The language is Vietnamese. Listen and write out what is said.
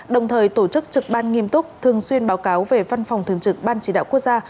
đồng thời tổ chức trực ban nghiêm túc thường xuyên báo cáo về văn phòng thường trực ban chỉ đạo quốc gia